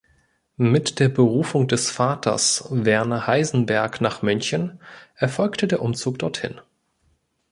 Mit der Berufung des Vaters Werner Heisenberg nach München erfolgte der Umzug dorthin.